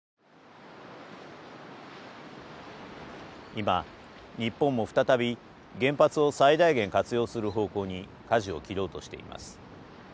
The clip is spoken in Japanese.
今日本も再び原発を最大限活用する方向にかじを切ろうとしています。